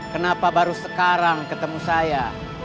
kenapa baru sekarang ketemu saya